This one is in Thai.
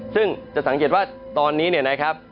ซึ่งจะสังเกตว่าตอนนี้เนี่ยนะครับ